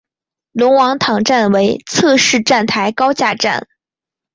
龙王塘站为侧式站台高架站。